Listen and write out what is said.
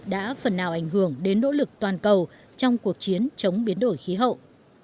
đã phần nào ảnh hưởng đến nỗ lực toàn cầu trong cuộc chiến chống biến đổi khí hậu